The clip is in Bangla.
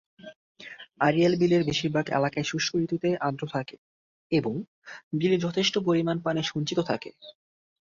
আড়িয়াল বিলের বেশিরভাগ এলাকাই শুষ্ক ঋতুতে আর্দ্র থাকে এবং বিলে যথেষ্ট পরিমাণ পানি সঞ্চিত থাকে।